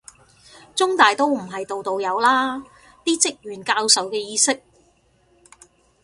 中大都唔係度度有啦，啲職員教授嘅意識